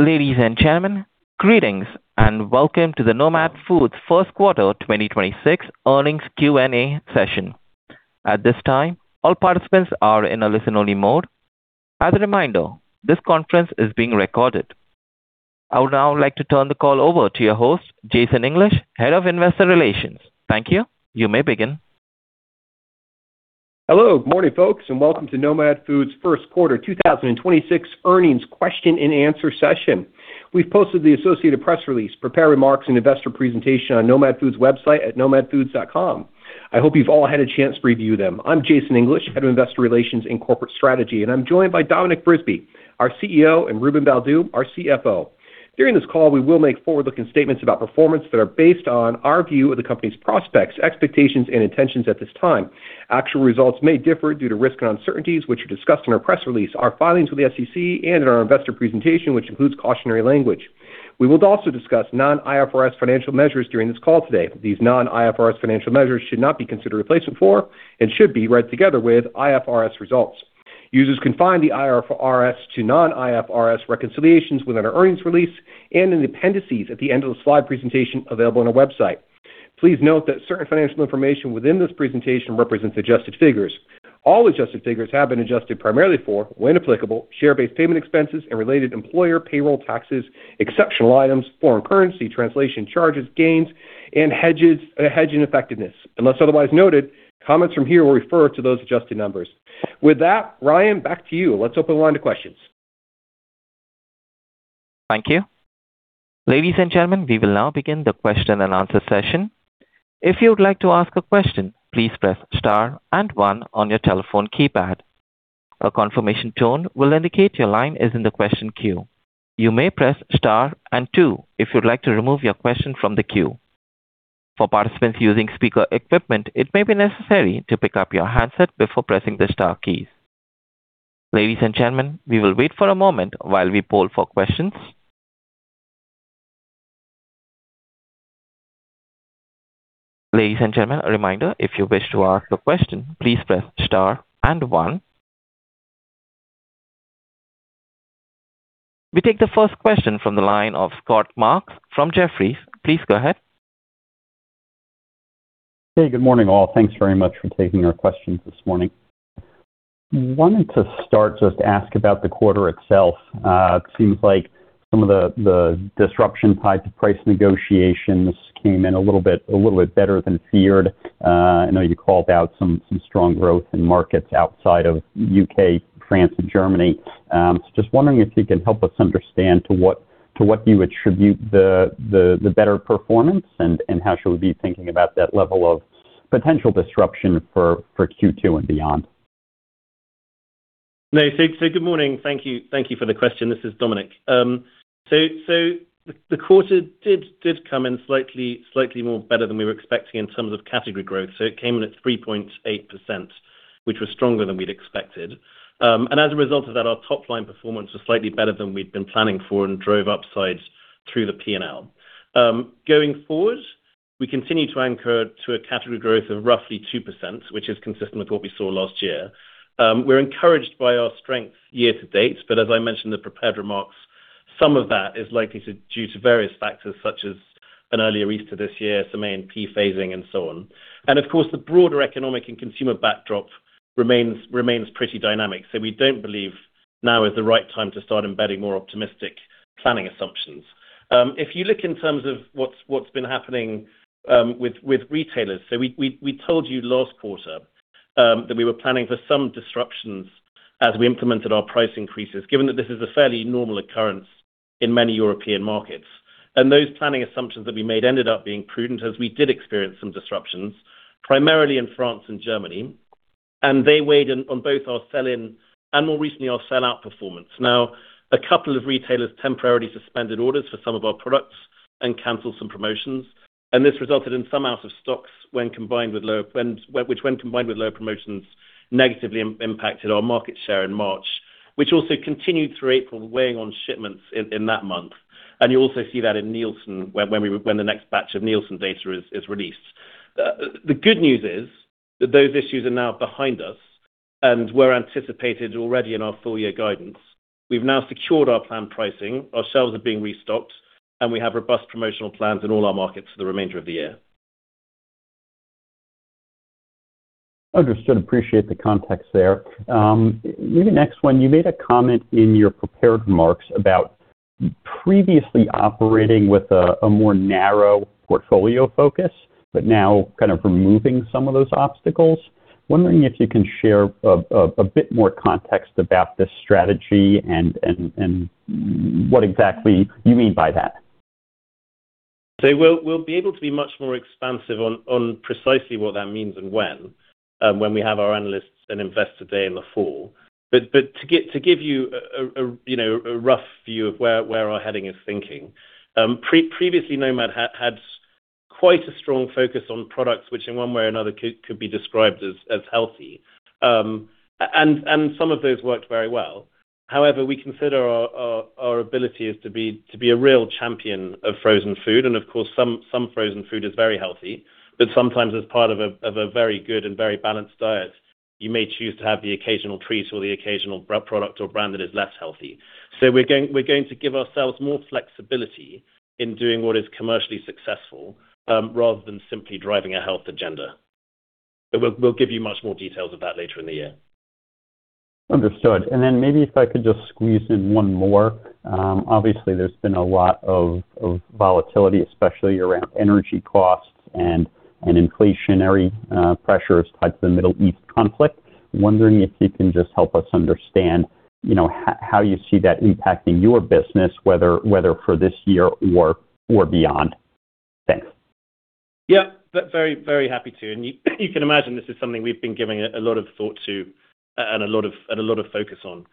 Ladies and gentlemen, greetings and welcome to the Nomad Foods First Quarter 2026 Earnings Q&A Session. At this time, all participants are in a listen-only mode. As a reminder, this conference is being recorded. I would now like to turn the call over to your host, Jason English, Head of Investor Relations. Thank you. You may begin. Hello. Good morning, folks, and welcome to Nomad Foods' first quarter 2026 earnings question and answer session. We've posted the associated press release, prepared remarks, and investor presentation on Nomad Foods' website at nomadfoods.com. I hope you've all had a chance to review them. I'm Jason English, Head of Investor Relations and Corporate Strategy, and I'm joined by Dominic Brisby, our CEO, and Ruben Baldew, our CFO. During this call, we will make forward-looking statements about performance that are based on our view of the company's prospects, expectations, and intentions at this time. Actual results may differ due to risks and uncertainties, which are discussed in our press release, our filings with the SEC, and in our investor presentation, which includes cautionary language. We will also discuss non-IFRS financial measures during this call today. These non-IFRS financial measures should not be considered a replacement for and should be read together with IFRS results. Users can find the IFRS to non-IFRS reconciliations within our earnings release and in the appendices at the end of the slide presentation available on our website. Please note that certain financial information within this presentation represents adjusted figures. All adjusted figures have been adjusted primarily for, when applicable, share-based payment expenses and related employer payroll taxes, exceptional items, foreign currency translation charges, gains, and hedge ineffectiveness. Unless otherwise noted, comments from here will refer to those adjusted numbers. With that, Ryan, back to you. Let's open the line to questions. Thank you. Ladies and gentlemen, we will now begin the question and answer session. If you would like to ask a question, please press star and one on your telephone keypad. A confirmation tone will indicate your line is in the question queue. You may press star and two if you would like to remove your question from the queue. For participants using speaker equipment, it may be necessary to pick up your handset before pressing the star key. Ladies and gentlemen, we will wait for a moment while we poll for questions. Ladies and gentlemen, a reminder, if you wish to ask a question, please press star and one. We take the first question from the line of Scott Marks from Jefferies. Please go ahead. Hey, good morning, all. Thanks very much for taking our questions this morning. It seems like some of the disruption tied to price negotiations came in a little bit better than feared. I know you called out some strong growth in markets outside of U.K., France, and Germany. Just wondering if you can help us understand to what you attribute the better performance and how should we be thinking about that level of potential disruption for Q2 and beyond? No. Good morning. Thank you. Thank you for the question. This is Dominic. The quarter did come in slightly more better than we were expecting in terms of category growth. It came in at 3.8%, which was stronger than we'd expected. As a result of that, our top-line performance was slightly better than we'd been planning for and drove upsides through the P&L. Going forward, we continue to anchor to a category growth of roughly 2%, which is consistent with what we saw last year. We're encouraged by our strength year to date, but as I mentioned in the prepared remarks, some of that is likely due to various factors such as an earlier Easter this year, some A&P phasing and so on. Of course, the broader economic and consumer backdrop remains pretty dynamic. We don't believe now is the right time to start embedding more optimistic planning assumptions. If you look in terms of what's been happening, with retailers. We, we told you last quarter, that we were planning for some disruptions as we implemented our price increases, given that this is a fairly normal occurrence in many European markets. Those planning assumptions that we made ended up being prudent as we did experience some disruptions, primarily in France and Germany, and they weighed in on both our sell-in and more recently, our sell-out performance. Now, a couple of retailers temporarily suspended orders for some of our products and canceled some promotions. This resulted in some out of stocks when combined with low promotions, negatively impacted our market share in March, which also continued through April, weighing on shipments in that month. You also see that in Nielsen when the next batch of Nielsen data is released. The good news is that those issues are now behind us and were anticipated already in our full-year guidance. We've now secured our planned pricing. Our shelves are being restocked. We have robust promotional plans in all our markets for the remainder of the year. Understood. Appreciate the context there. Maybe next one. You made a comment in your prepared remarks about previously operating with a more narrow portfolio focus, but now kind of removing some of those obstacles. Wondering if you can share a bit more context about this strategy and what exactly you mean by that. We'll be able to be much more expansive on precisely what that means and when we have our analysts and investor day in the fall. To give you a, you know, a rough view of where our heading is thinking, previously, Nomad had quite a strong focus on products which in one way or another could be described as healthy. And some of those worked very well. However, we consider our ability is to be a real champion of frozen food, and of course, some frozen food is very healthy. Sometimes as part of a very good and very balanced diet, you may choose to have the occasional treat or the occasional product or brand that is less healthy. We're going to give ourselves more flexibility in doing what is commercially successful, rather than simply driving a health agenda. We'll give you much more details of that later in the year. Understood. Maybe if I could just squeeze in one more. Obviously, there's been a lot of volatility, especially around energy costs and inflationary pressures tied to the Middle East conflict. I'm wondering if you can just help us understand, you know, how you see that impacting your business, whether for this year or beyond. Thanks. Yeah. Very, very happy to. You, you can imagine this is something we've been giving a lot of thought to and a lot of focus on.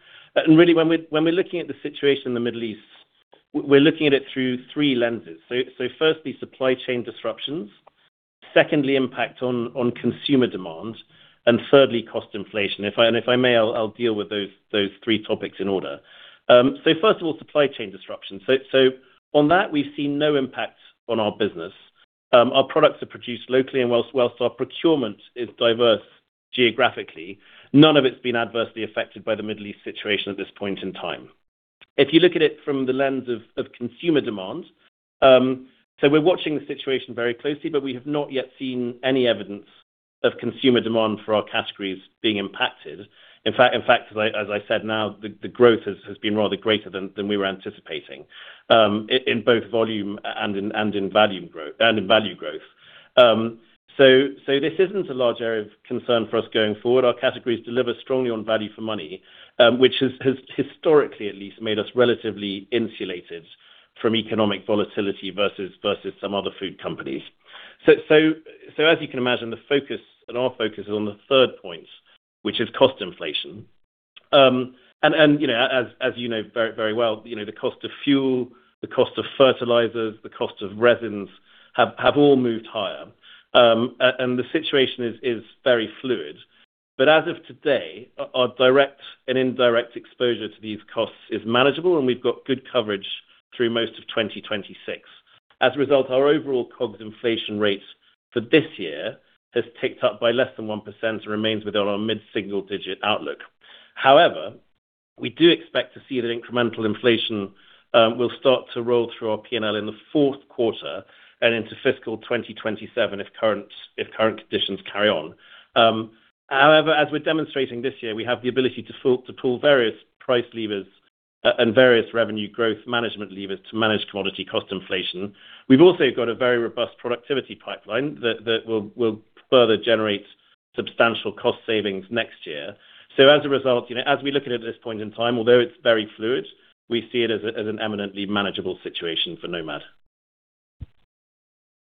Really when we're looking at the situation in the Middle East, we're looking at it through 3 lenses. Firstly, supply chain disruptions. Secondly, impact on consumer demand. Thirdly, cost inflation. If I may, I'll deal with those 3 topics in order. First of all, supply chain disruptions. On that, we've seen no impact on our business. Our products are produced locally and whilst our procurement is diverse geographically, none of it's been adversely affected by the Middle East situation at this point in time. If you look at it from the lens of consumer demand, we're watching the situation very closely, but we have not yet seen any evidence of consumer demand for our categories being impacted. In fact, as I said now, the growth has been rather greater than we were anticipating, in both volume and in value growth. This isn't a large area of concern for us going forward. Our categories deliver strongly on value for money, which has historically at least made us relatively insulated from economic volatility versus some other food companies. As you can imagine, the focus and our focus is on the third point, which is cost inflation. You know, as you know very, very well, you know, the cost of fuel, the cost of fertilizers, the cost of resins have all moved higher. The situation is very fluid. As of today, our direct and indirect exposure to these costs is manageable, and we've got good coverage through most of 2026. As a result, our overall COGS inflation rates for this year has ticked up by less than 1% and remains within our mid-single digit outlook. We do expect to see that incremental inflation will start to roll through our P&L in the fourth quarter and into fiscal 2027 if current conditions carry on. However, as we're demonstrating this year, we have the ability to pull various price levers and various revenue growth management levers to manage commodity cost inflation. We've also got a very robust productivity pipeline that will further generate substantial cost savings next year. As a result, you know, as we look at it at this point in time, although it's very fluid, we see it as a, as an eminently manageable situation for Nomad.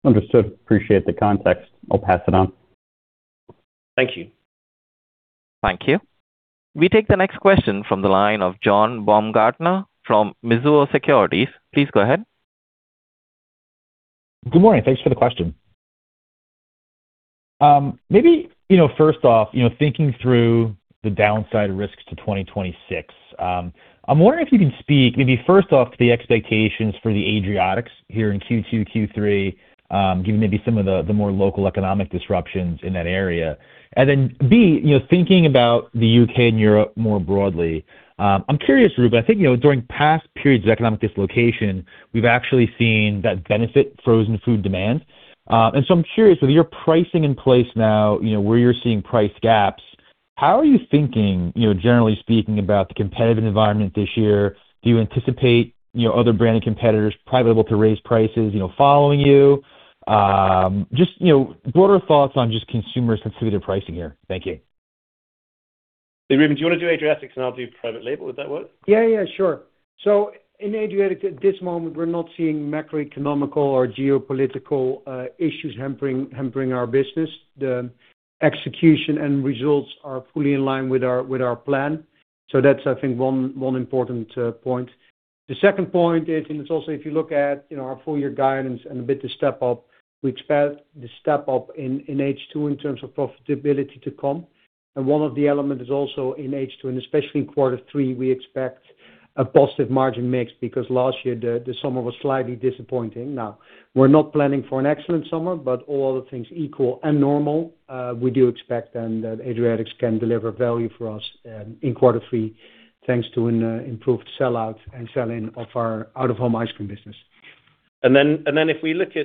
Understood. Appreciate the context. I'll pass it on. Thank you. Thank you. We take the next question from the line of John Baumgartner from Mizuho Securities. Please go ahead. Good morning. Thanks for the question. Maybe, you know, first off, you know, thinking through the downside risks to 2026, I'm wondering if you can speak maybe first off to the expectations for the Adriatics here in Q2, Q3, given maybe some of the more local economic disruptions in that area. B, you know, thinking about the U.K. and Europe more broadly, I'm curious, Ruben, I think, you know, during past periods of economic dislocation, we've actually seen that benefit frozen food demand. I'm curious with your pricing in place now, you know, where you're seeing price gaps, how are you thinking, you know, generally speaking, about the competitive environment this year? Do you anticipate, you know, other brand competitors probably able to raise prices, you know, following you? just, you know, broader thoughts on just consumer sensitivity to pricing here. Thank you. Hey, Ruben, do you wanna do Adriatics and I'll do private label? Would that work? Yeah, yeah, sure. In Adriatics at this moment, we're not seeing macroeconomical or geopolitical issues hampering our business. The execution and results are fully in line with our, with our plan. That's, I think, 1 important point. The second point is, if you look at, you know, our full year guidance and a bit to step up, we expect the step up in H2 in terms of profitability to come. One of the element is also in H2, and especially in quarter 3, we expect a positive margin mix because last year the summer was slightly disappointing. Now, we're not planning for an excellent summer, but all other things equal and normal, we do expect then that Adriatics can deliver value for us, in quarter three, thanks to an improved sell-out and sell-in of our out-of-home ice cream business. If we look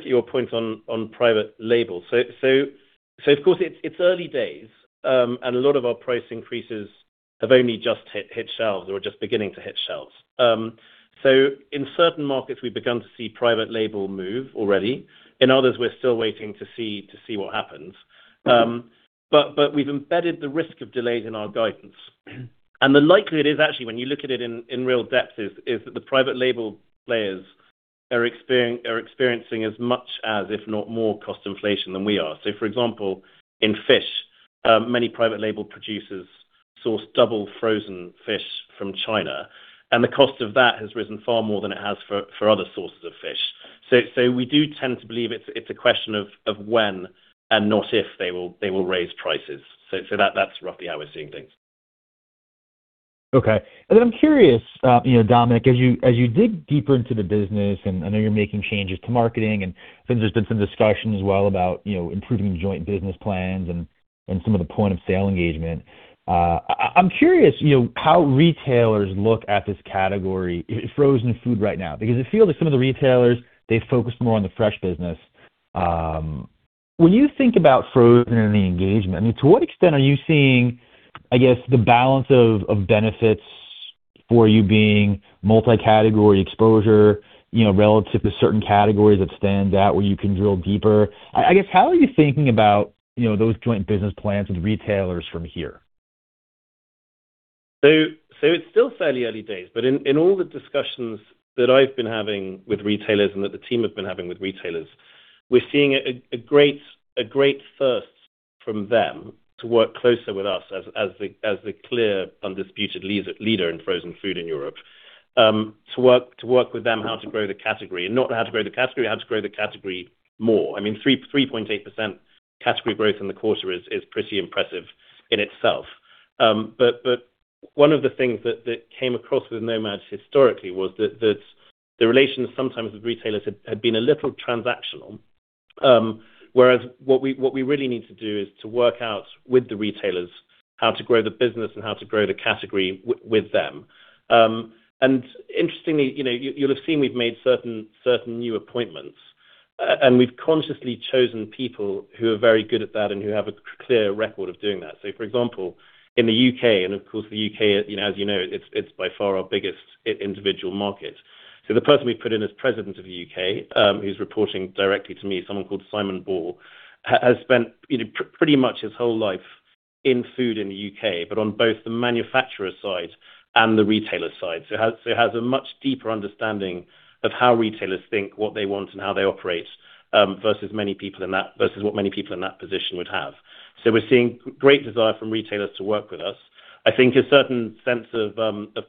at your point on private label. Of course, it's early days, and a lot of our price increases have only just hit shelves or are just beginning to hit shelves. In certain markets, we've begun to see private label move already. In others, we're still waiting to see what happens. We've embedded the risk of delays in our guidance. The likelihood is actually when you look at it in real depth is that the private label players are experiencing as much as, if not more cost inflation than we are. For example, in fish, many private label producers source double frozen fish from China. And the cost of that has risen far more than it has for other sources of fish. We do tend to believe it's a question of when and not if they will raise prices. That's roughly how we're seeing things. Okay. I'm curious, you know, Dominic, as you dig deeper into the business, and I know you're making changes to marketing, there's been some discussion as well about, you know, improving joint business plans and some of the point of sale engagement. I'm curious, you know, how retailers look at this category, frozen food right now, because it feels like some of the retailers, they focus more on the fresh business. When you think about frozen and the engagement, I mean, to what extent are you seeing, I guess, the balance of benefits for you being multi-category exposure, you know, relative to certain categories that stand out where you can drill deeper? I guess, how are you thinking about, you know, those joint business plans with retailers from here? It's still fairly early days, but in all the discussions that I've been having with retailers and that the team have been having with retailers, we're seeing a great thirst from them to work closer with us as the clear undisputed leader in frozen food in Europe. To work with them how to grow the category. Not how to grow the category, how to grow the category more. I mean, 3.8% category growth in the quarter is pretty impressive in itself. One of the things that came across with Nomad historically was that the relations sometimes with retailers had been a little transactional. Whereas what we really need to do is to work out with the retailers how to grow the business and how to grow the category with them. Interestingly, you know, you'll have seen we've made certain new appointments, and we've consciously chosen people who are very good at that and who have a clear record of doing that. For example, in the U.K., of course, the U.K., you know, as you know, it's by far our biggest individual market. The person we put in as President of the U.K., who's reporting directly to me, someone called Simon Ball, has spent, you know, pretty much his whole life in food in the U.K., on both the manufacturer side and the retailer side. He has a much deeper understanding of how retailers think, what they want and how they operate, versus what many people in that position would have. We're seeing great desire from retailers to work with us. I think a certain sense of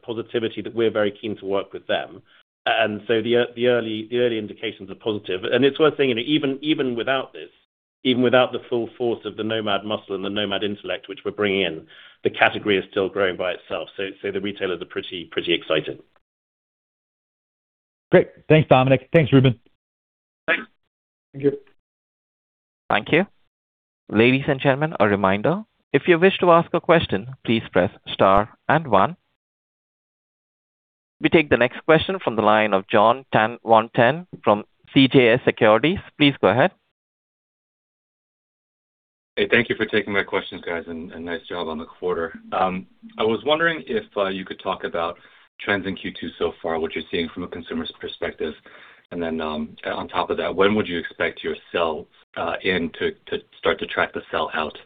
positivity that we're very keen to work with them. The early indications are positive. It's worth saying, you know, even without this, even without the full force of the Nomad muscle and the Nomad intellect, which we're bringing in, the category is still growing by itself. The retailers are pretty excited. Great. Thanks, Dominic. Thanks, Ruben. Thank you. Thank you. Ladies and gentlemen, a reminder, if you wish to ask a question, please press star one. We take the next question from the line of Jon Tanwanteng from CJS Securities. Please go ahead. Hey, thank you for taking my questions, guys, and nice job on the quarter. I was wondering if you could talk about trends in Q2 so far, what you're seeing from a consumer's perspective. Then, on top of that, when would you expect your sell in to start to track the sell out,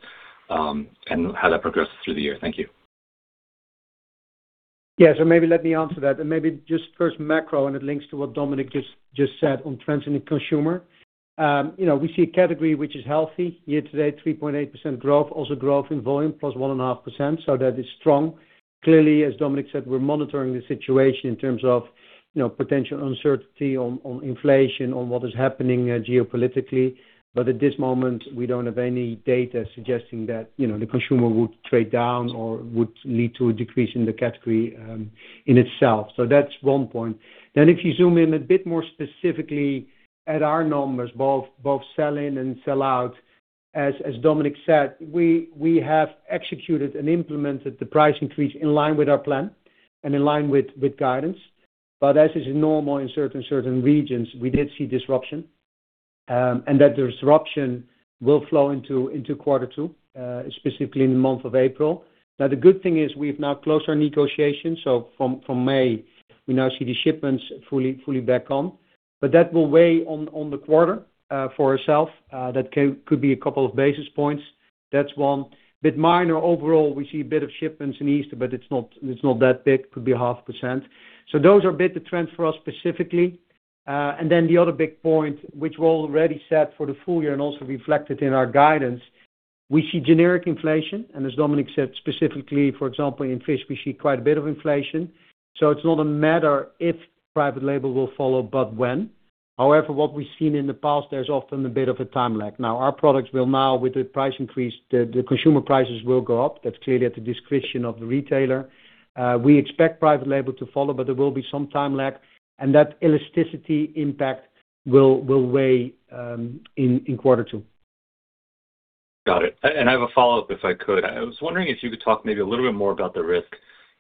and how that progresses through the year? Thank you. Yeah. Maybe let me answer that. Maybe just first macro, and it links to what Dominic just said on trends in the consumer. You know, we see a category which is healthy. Year-to-date, 3.8% growth, also growth in volume, +1.5%, so that is strong. Clearly, as Dominic said, we're monitoring the situation in terms of, you know, potential uncertainty on inflation, on what is happening geopolitically. At this moment, we don't have any data suggesting that, you know, the consumer would trade down or would lead to a decrease in the category in itself. That's one point. If you zoom in a bit more specifically at our numbers, both sell in and sell out, as Dominic said, we have executed and implemented the price increase in line with our plan and in line with guidance. As is normal in certain regions, we did see disruption, and that disruption will flow into Q2, specifically in the month of April. The good thing is we've now closed our negotiations, so from May, we now see the shipments fully back on. That will weigh on the quarter for ourself. That could be a couple of basis points. That's one. Bit minor overall, we see a bit of shipments in Easter, but it's not that big. Could be 0.5%. Those are a bit the trends for us specifically. The other big point, which we're already set for the full year and also reflected in our guidance, we see generic inflation. As Dominic said, specifically, for example, in fish, we see quite a bit of inflation. It's not a matter if private label will follow, but when. However, what we've seen in the past, there's often a bit of a time lag. Now, our products will now, with the price increase, the consumer prices will go up. That's clearly at the discretion of the retailer. We expect private label to follow, but there will be some time lag, and that elasticity impact will weigh in quarter two. Got it. I have a follow-up, if I could. I was wondering if you could talk maybe a little bit more about the risk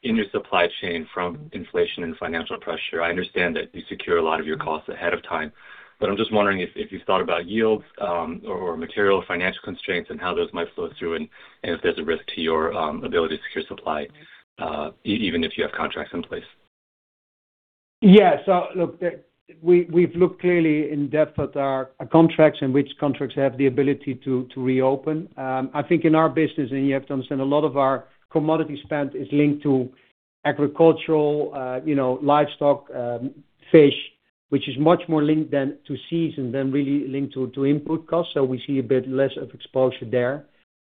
in your supply chain from inflation and financial pressure. I understand that you secure a lot of your costs ahead of time, I'm just wondering if you've thought about yields, or material financial constraints and how those might flow through and if there's a risk to your ability to secure supply, even if you have contracts in place. Look, we've looked clearly in depth at our contracts and which contracts have the ability to reopen. I think in our business, and you have to understand a lot of our commodity spend is linked to agricultural, you know, livestock, fish, which is much more linked than to season than really linked to input costs. We see a bit less of exposure there.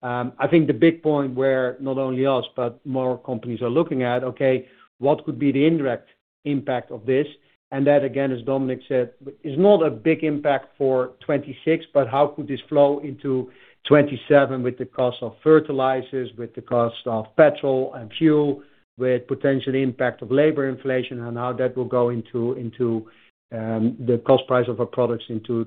I think the big point where not only us, but more companies are looking at, okay, what could be the indirect impact of this? That, again, as Dominic said, is not a big impact for 2026, but how could this flow into 2027 with the cost of fertilizers, with the cost of petrol and fuel, with potential impact of labor inflation and how that will go into the cost price of our products into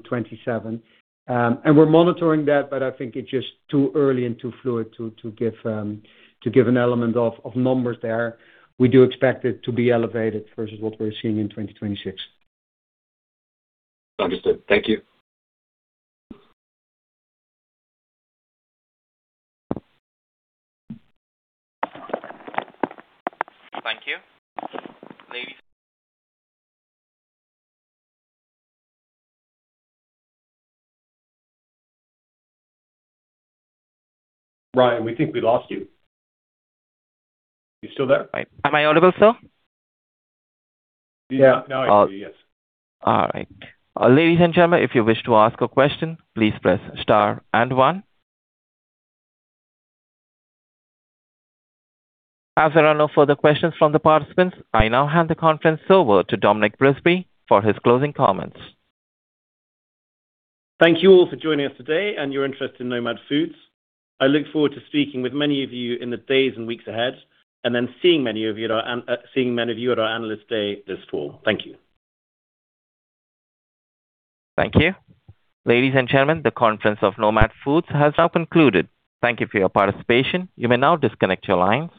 2027. We're monitoring that, but I think it's just too early and too fluid to give an element of numbers there. We do expect it to be elevated versus what we're seeing in 2026. Understood. Thank you. Thank you. Ryan, we think we lost you. You still there? Am I audible still? Yeah. Now I hear you, yes. All right. Ladies and gentlemen, if you wish to ask a question, please press star and one. As there are no further questions from the participants, I now hand the conference over to Dominic Brisby for his closing comments. Thank you all for joining us today and your interest in Nomad Foods. I look forward to speaking with many of you in the days and weeks ahead, and then seeing many of you at our Analyst Day this fall. Thank you. Thank you. Ladies and gentlemen, the conference of Nomad Foods has now concluded. Thank you for your participation. You may now disconnect your lines.